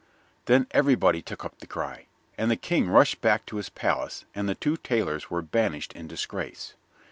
Then everybody took up the cry, and the King rushed back to his palace, and the two tailors were banished in disgrace.